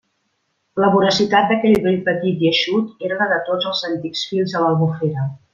La voracitat d'aquell vell petit i eixut era la de tots els antics fills de l'Albufera.